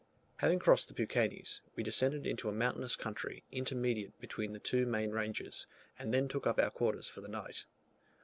Having crossed the Peuquenes, we descended into a mountainous country, intermediate between the two main ranges, and then took up our quarters for the night.